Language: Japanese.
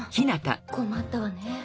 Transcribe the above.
困ったわね。